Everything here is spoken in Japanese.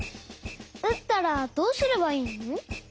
うったらどうすればいいの？